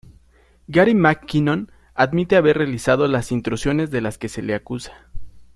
Gary McKinnon admite haber realizado las intrusiones de las que se le acusa.